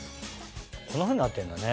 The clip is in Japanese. こんなふうになってんだね。